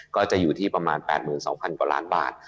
ก็จะอยู่ที่ประมาณ๘๒๐๐กว่าล้านบาท